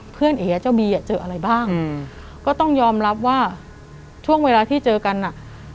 เอ๋เจ้าบีอ่ะเจออะไรบ้างก็ต้องยอมรับว่าช่วงเวลาที่เจอกันอ่ะ